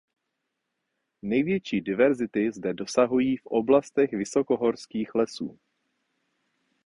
Největší diverzity zde dosahují v oblastech vysokohorských lesů.